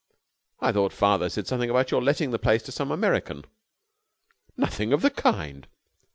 "I thought father said something about your letting the place to some American." "Nothing of the kind!"